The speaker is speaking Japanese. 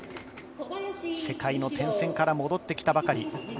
世界の転戦から戻ってきたばかり。